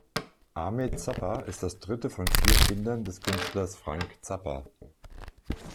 Ahmet Zappa ist das dritte von vier Kindern des Künstlers Frank Zappa.